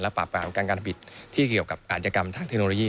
ปราบปรามการการผิดที่เกี่ยวกับอาจกรรมทางเทคโนโลยี